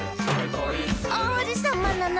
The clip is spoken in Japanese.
「おうじさまなの！」